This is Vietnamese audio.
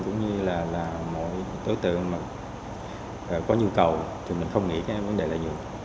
cũng như là mọi đối tượng có nhu cầu thì mình không nghĩ cái vấn đề lợi nhuận